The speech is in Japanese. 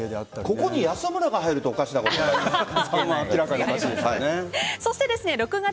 ここに安村が入るとおかしなことになるんですけど。